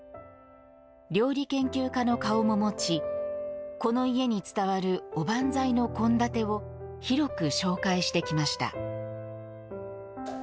料理研究家の顔も持ちこの家に伝わるおばんざいの献立を広く紹介してきました。